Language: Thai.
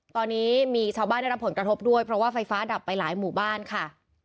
ตอนนี้มีชาวบ้านได้รับผลกระทบด้วยเพราะว่าไฟฟ้าดับไปหลายหมู่บ้านค่ะ